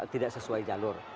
tidak sesuai jalur